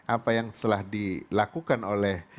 apa yang telah dilakukan oleh